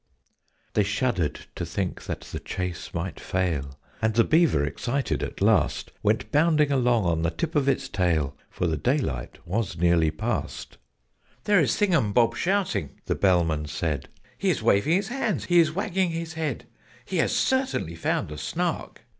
They shuddered to think that the chase might fail, And the Beaver, excited at last, Went bounding along on the tip of its tail, For the daylight was nearly past. "There is Thingumbob shouting!" the Bellman said. "He is shouting like mad, only hark! He is waving his hands, he is wagging his head, He has certainly found a Snark!"